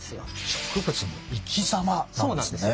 植物の生き様なんですね。